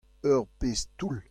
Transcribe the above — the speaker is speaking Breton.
Ur pezh toull.